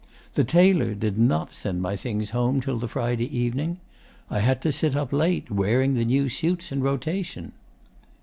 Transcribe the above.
The tailor did not send my things home till the Friday evening. I had to sit up late, wearing the new suits in rotation.